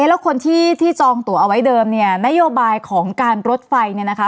แล้วคนที่จองตัวเอาไว้เดิมเนี่ยนโยบายของการรถไฟเนี่ยนะคะ